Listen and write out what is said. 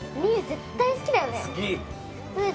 絶対好きだよね